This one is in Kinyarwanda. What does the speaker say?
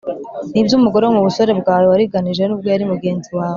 n’iby’umugore wo mu busore bwawe wariganije nubwo yari mugenzi wawe